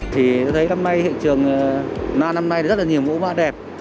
thì tôi thấy năm nay hiện trường lan năm nay rất là nhiều mẫu mẫu đẹp